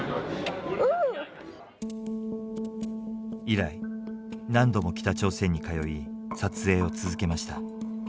以来何度も北朝鮮に通い撮影を続けました。